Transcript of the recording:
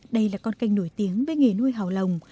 đây là con canh nổi tiếng với nghề nuôi hào lồng